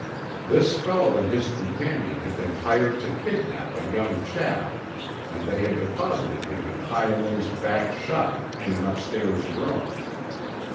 "This fellow and his companion had been hired to kidnap a young chap and they had deposited him in Hi Ling's back shop in an upstairs room.